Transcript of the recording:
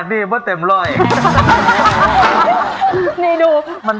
ตราบที่ทุกลมหายใจขึ้นหอดแต่ไอ้นั้น